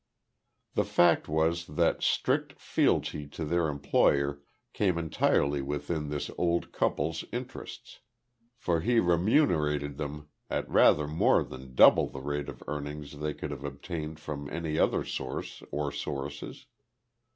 The fact was that strict fealty to their employer came entirely within this old couple's interests, for he remunerated them at rather more than double the rate of earnings they could have obtained from any other source or sources.